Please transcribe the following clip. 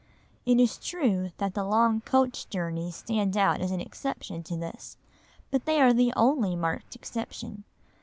It is true that the long coach journeys stand out as an exception to this, but they are the only marked exception.